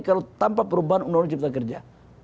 kalau tanpa perubahan undang undang cipta kerja